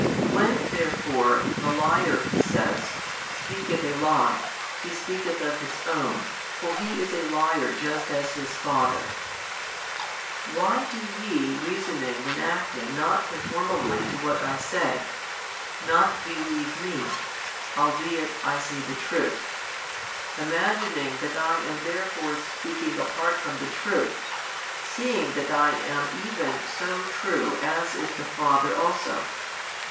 When therefore the liar (He says) speaketh a lie, he speaketh of his own, for he is a liar just as his father: why do ye reasoning |659 and acting not conformably to what I say, not believe Me, albeit I say the truth, [imagining] that I am therefore speaking apart from the truth, seeing that I am even so True as is the Father also?